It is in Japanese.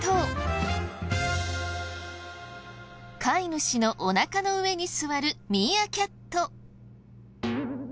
飼い主のおなかの上に座るミーアキャット。